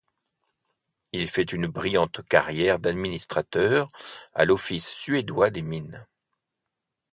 Il fait une brillante carrière d'administrateur à l'office suédois des Mines.